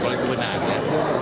kalau itu benar ya